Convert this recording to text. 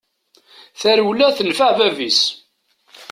Tarewla tenfeɛ bab-is!